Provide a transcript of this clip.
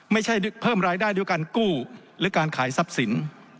ไม่ใช่เพิ่มรายได้ด้วยการกู้หรือการขายทรัพย์สิน